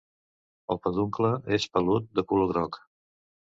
El peduncle és pelut, de color groc.